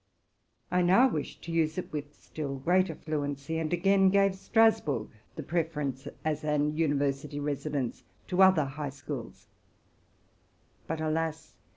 I now wished to use it with still greater fluency, and gave Strasburg the preference, as a second university residence, to other high schools ; but, alas!